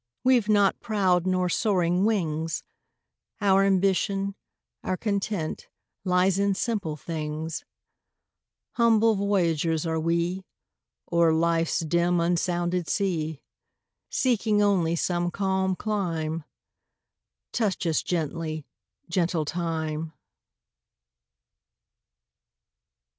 We've not proud nor soaring wings; Our ambition, our content, Lies in simple things. Humble voyagers are we, O'er life's dim unsounded sea, Seeking only some calm clime; Touch us gently, gentle Time!